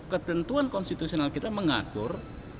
ketentuan konstitusional kita mengatur